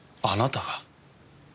あなたが？